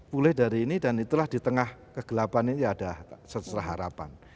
pulih dari ini dan itulah di tengah kegelapan ini ada secerah harapan